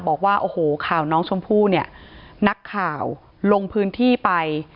บอกว่าโอ้โหข่าวน้องชมพู่เนี่ยนักข่าวลงพื้นที่ไป